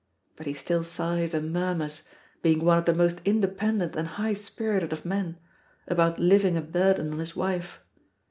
But he still sighs and murmurs being one of the most independent and high spirited of men about living a burden on his wife.